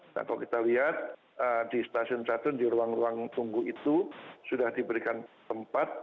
nah kalau kita lihat di stasiun catun di ruang ruang tunggu itu sudah diberikan tempat